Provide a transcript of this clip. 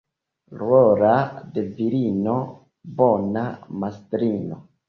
Rola de virino — bona mastrino.